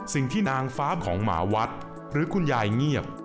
สิ่งที่นางฟ้าของหมาวัดหรือคุณยายเงียบ